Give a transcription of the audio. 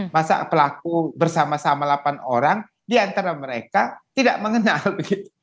masa pelaku bersama sama delapan orang diantara mereka tidak mengenal begitu